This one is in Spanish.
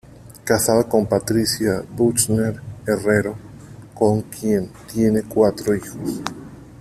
Casado con Patricia Büchner Herrero, con quien tiene cuatro hijos.